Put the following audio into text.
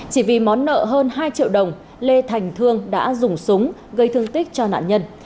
chỉ vì món nợ hơn hai triệu đồng lê thành thương đã dùng súng gây thương tích cho nạn nhân